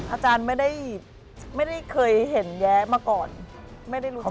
อาจารย์ไม่ได้เคยเห็นแย้มาก่อนไม่ได้รู้จัก